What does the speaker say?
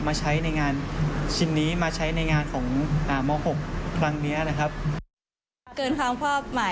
มาใช้ในงานชิ้นนี้มาใช้ในงานของม๖ครั้งนี้นะครับ